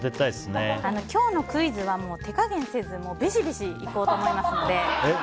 今日のクイズは手加減せずビシビシいこうと思いますので。